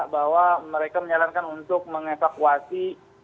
bahwa mereka menyarankan untuk mengevakuasi